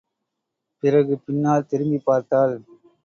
பிறகு பின்னால் திரும்பிப் பார்த்தாள்.